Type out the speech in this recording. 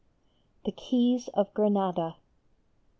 133 THE KEYS OF GRANADA.